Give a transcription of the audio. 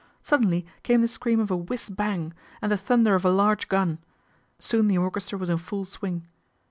Suddenly came the scream o a " whiz bang " and the thunder of a large gun Soon the orchestra was in full swing.